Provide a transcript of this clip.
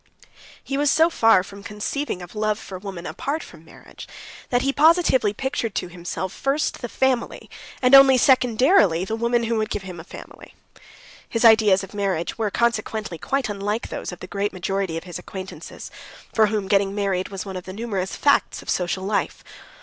He was so far from conceiving of love for woman apart from marriage that he positively pictured to himself first the family, and only secondarily the woman who would give him a family. His ideas of marriage were, consequently, quite unlike those of the great majority of his acquaintances, for whom getting married was one of the numerous facts of social life.